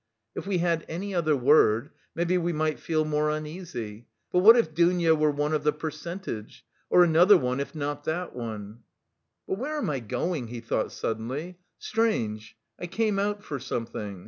If we had any other word... maybe we might feel more uneasy.... But what if Dounia were one of the percentage! Of another one if not that one? "But where am I going?" he thought suddenly. "Strange, I came out for something.